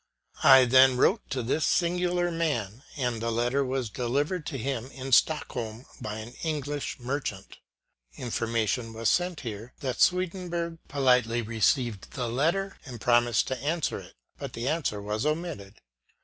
I then wrote to this singular man, and the letter was delivered to him, in Stockholm, by an English merchant. Information was sent here, that Swedenborg politely received the letter, and promised to answer it, but the answer was omitted.